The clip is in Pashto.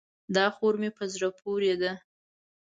دا خور مې زړه پورې ده.